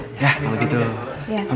kalau gitu amri ya bu